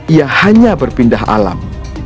ia hanya berpindah alam